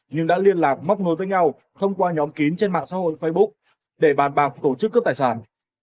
nhưng đã liên lạc móc nối với nhau thông qua nhóm kín trên mạng xã hội facebook để bàn bạc tổ chức cướp tài sản